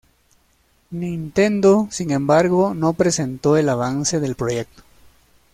Nintendo sin embargo no presentó el avance del proyecto.